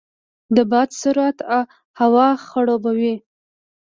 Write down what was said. د باد سرعت هوا خړوبوي.